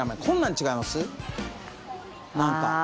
こんなん違います？